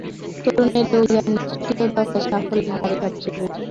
তরুণের এ অভিযানে তৃতীয় দফায় সাফল্যের হারই সবচেয়ে বেশি।